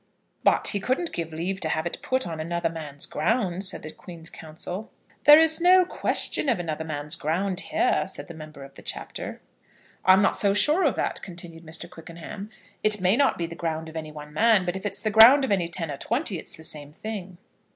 "But he couldn't give leave to have it put on another man's ground," said the Queen's Counsel. "There is no question of another man's ground here," said the member of the Chapter. "I'm not so sure of that," continued Mr. Quickenham. "It may not be the ground of any one man, but if it's the ground of any ten or twenty it's the same thing."